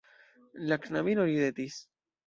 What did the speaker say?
La knabino ridetis.